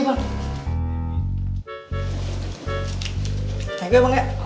tengah gue bang ya